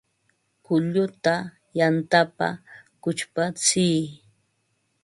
Kulluta yantapa kuchpatsiy